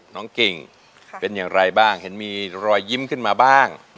เก่งเป็นอย่างไรบ้างเห็นมีรอยยิ้มขึ้นมาบ้าง